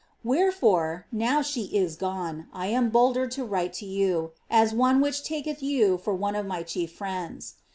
Wherefore, now she it gone, I am bohler to write to you, as one which taketh you fur one of my chief friends.